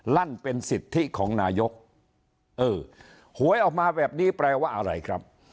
นั่นเป็นสิทธิของนายกเออหวยออกมาแบบนี้แปลว่าอะไรครับ